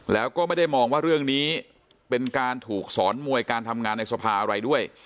แล้วก็ไม่ได้มองว่าเรื่องนี้เป็นการถูกสอนมวยการทำงานในสภาอะไรด้วย